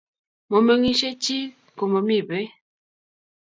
momengishei chii komomii pei